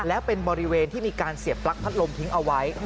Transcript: และเป็นบริเวณที่มีการเสียบปลั๊กพัดลมทิ้งเอาไว้